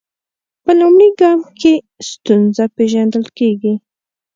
په لومړي ګام کې ستونزه پیژندل کیږي.